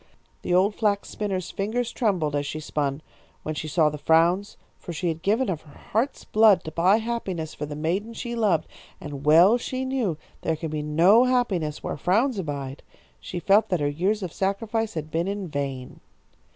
The old flax spinner's fingers trembled as she spun, when she saw the frowns, for she had given of her heart's blood to buy happiness for the maiden she loved, and well she knew there can be no happiness where frowns abide. She felt that her years of sacrifice had been in vain.